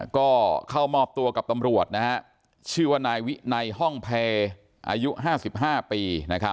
ก็เข้ามอบตัวกับตำรวจชื่อว่านายวินัยห้องเพลอายุ๕๕ปี